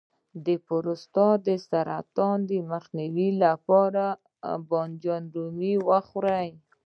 د پروستات د سرطان مخنیوي لپاره رومي بانجان وخورئ